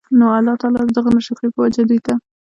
نو الله تعالی د دغه ناشکرۍ په وجه دوی ته